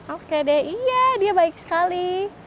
oke deh iya dia baik sekali